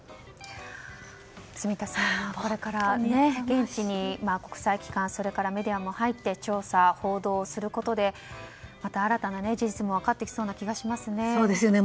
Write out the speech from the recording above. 住田さん、これから現地に国際機関それからメディアも入って調査、報道をすることでまた新たな事実も分かってきそうな気がしますね。